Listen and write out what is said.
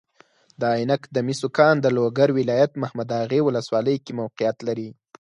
د عینک د مسو کان د لوګر ولایت محمداغې والسوالۍ کې موقیعت لري.